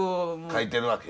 描いてるわけ。